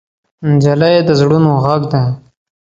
نجلۍ د زړونو غږ ده.